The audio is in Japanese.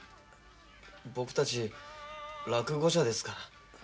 僕たちらくご者ですから。